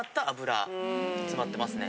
詰まってますね。